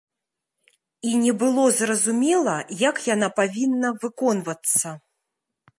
І не было зразумела, як яна павінна выконвацца.